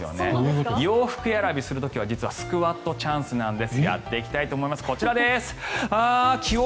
洋服選びする時は、実はスクワットチャンスなんです。